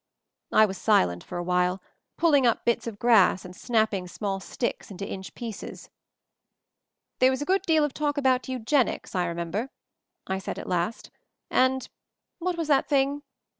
I was silent for a while, pulling up bits of grass and snapping small sticks into inch pieces. "There was a good deal of talk about Eu genics, I remember," I said at last, "and — what was that thing?